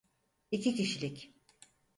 İki kişilik.